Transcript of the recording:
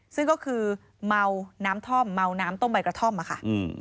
ซึ่งก็คือเมาน้ำท่อมเมาน้ำต้มใบกระท่อมอะค่ะ